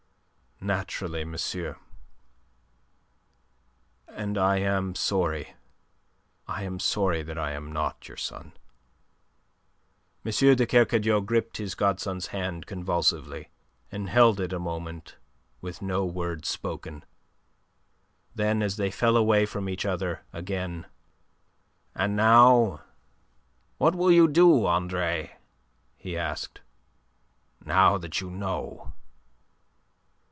"Naturally, monsieur; and I am sorry, I am sorry that I am not your son." M. de Kercadiou gripped his godson's hand convulsively, and held it a moment with no word spoken. Then as they fell away from each other again: "And now, what will you do, Andre?" he asked. "Now that you know?"